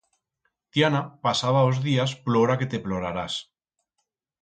Tiana pasaba os días plora que te plorarás.